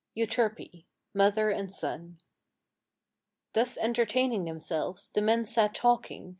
EUTERPE MOTHER AND SON Thus entertaining themselves, the men sat talking.